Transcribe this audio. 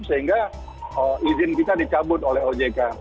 sehingga izin kita dicabut oleh ojk